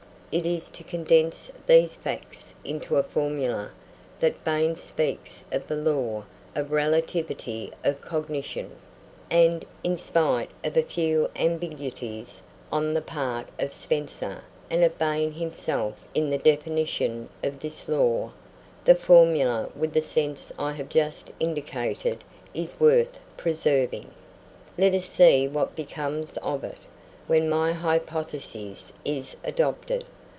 It is to condense these facts into a formula that Bain speaks of the law of relativity of cognition, and, in spite of a few ambiguities on the part of Spencer and of Bain himself in the definition of this law, the formula with the sense I have just indicated is worth preserving. Let us see what becomes of it, when my hypothesis is adopted.